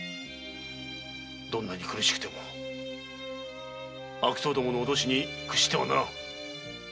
どんなに苦しくても悪党どもの脅しに屈してはならん。